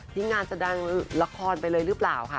งานแสดงละครไปเลยหรือเปล่าค่ะ